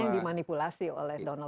dan ini yang dimanipulasi oleh donald trump